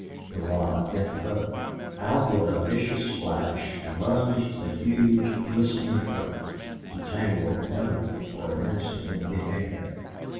The rod bent double. Out with a vicious splash lunged the huge, glistening trout, to dangle heavily for an instant in the air.